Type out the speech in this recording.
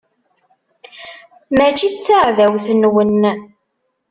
Mačči d taɛdawt-nwen.